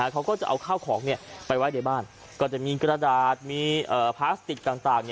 เขาก็จะเอาข้าวของไปไว้ในบ้านก็จะมีกระดาษมีพลาสติกต่าง